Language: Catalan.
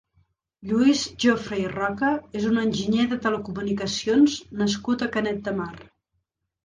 Lluís Jofre i Roca és un enginyer de telecomunicacions nascut a Canet de Mar.